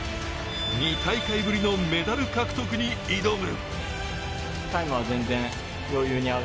２大会ぶりのメダル獲得に挑む。